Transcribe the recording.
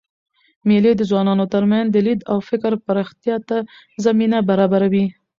مېلې د ځوانانو ترمنځ د لید او فکر پراختیا ته زمینه برابروي.